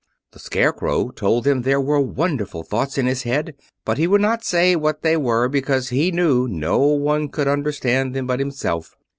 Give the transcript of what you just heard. The Scarecrow told them there were wonderful thoughts in his head; but he would not say what they were because he knew no one could understand them but himself.